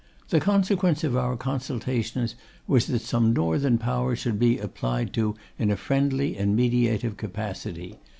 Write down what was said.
The consequence of our consultations was, that some Northern power should be applied to in a friendly and mediative capacity.